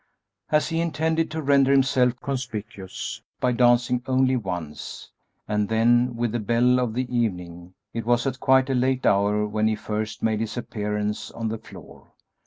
As he intended to render himself conspicuous by dancing only once, and then with the belle of the evening, it was at quite a late hour when he first made his appearance on the floor.